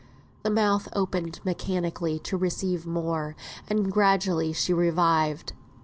The mouth opened mechanically to receive more, and gradually she revived.